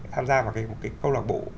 tham gia vào một cái câu lạc bộ